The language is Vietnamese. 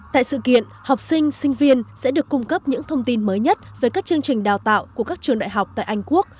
tại sự kiện học sinh sinh viên sẽ được cung cấp những thông tin mới nhất về các chương trình đào tạo của các trường đại học tại anh quốc